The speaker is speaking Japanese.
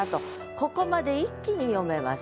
ここまで一気に読めます。